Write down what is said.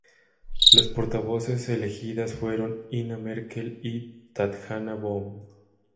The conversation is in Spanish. Los portavoces elegidas fueron Ina Merkel y Tatjana Böhm.